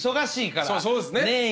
深いそうですね。